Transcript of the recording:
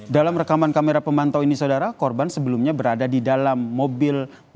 dalam rekaman kamera pemantau ini saudara korban sebelumnya berada di dalam mobil